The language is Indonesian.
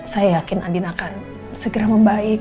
saya yakin andin akan segera membaik